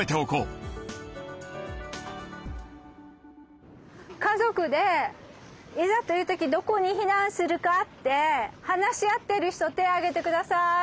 みんなも家族でいざという時どこに避難するかって話し合ってる人手上げてください。